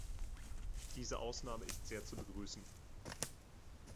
Diese Ausnahme ist sehr zu begrüßen.